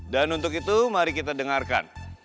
dan untuk itu mari kita berbicara